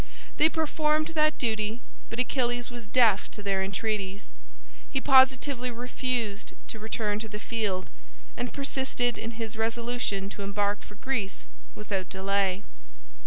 They performed that duty, but Achilles was deaf to their entreaties. He positively refused to return to the field, and persisted in his resolution to embark for Greece without delay.